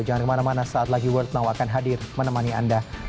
jangan kemana mana saat lagi world now akan hadir menemani anda